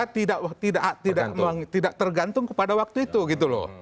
tapi kita bekerja tidak tergantung kepada waktu itu gitu loh